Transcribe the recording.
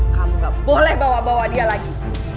kamu gak boleh bawa bawa dia lagi